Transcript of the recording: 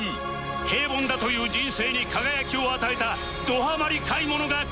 平凡だという人生に輝きを与えたどハマり買い物がこちら